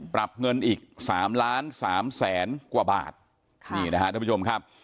ปรับเงินอีกสามล้านสามแสนกว่าบาทค่ะนี่นะฮะท่านผู้ชมครับ